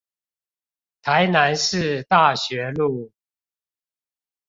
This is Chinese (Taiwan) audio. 台南市大學路